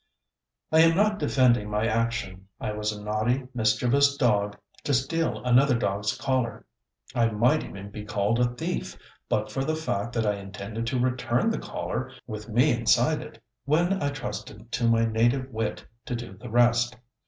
I am not defending my action. I was a naughty, mischievous dog to steal another dog's collar. I might even be called a thief, but for the fact that I intended to return the collar with me inside it, when I trusted to my native wit to do the rest.